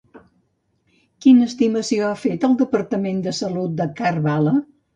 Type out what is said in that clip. Quina estimació ha fet el Departament de Salut de Karbala?